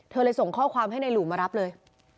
เลยส่งข้อความให้ในหลู่มารับเลย